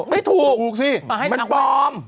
ไม่ถูกมันปลอม